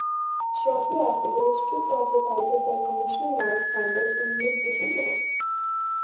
Shortly after, they were stripped of the titles by Commissioner Mike Sanders in mid-December.